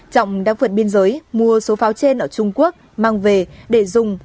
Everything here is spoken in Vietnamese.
trọng đã vượt biên giới mua số pháo trên ở trung quốc mang về để dùng